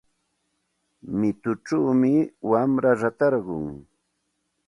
Mituchawmi wamra ratarqun.